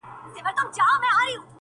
غواړم چي ديدن د ښكلو وكړمـــه